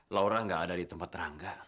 laura gak ada di tempat rangka